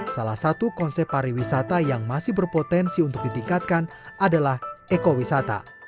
salah satu konsep pariwisata yang masih berpotensi untuk ditingkatkan adalah ekowisata